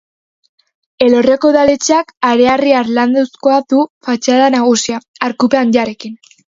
Elorrioko udaletxeak harearri-harlanduzkoa du fatxada nagusia, arkupe handiarekin.